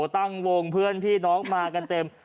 ตั้งวงเพื่อนพี่น้องมากันเต็ม